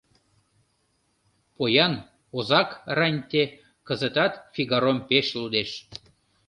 Поян озак-рантье кызытат «Фигаром» пеш лудеш.